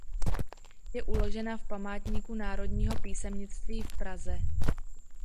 Je uložena v Památníku Národního písemnictví v Praze.